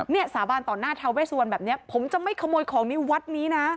สาบานต่อหน้าทาเวสวันแบบนี้ผมจะไม่ขโมยของในวัดนี้นะ